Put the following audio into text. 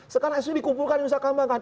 sekarang sos dikumpulkan di nusa kambang kan